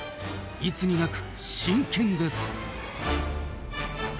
いつになく真剣です。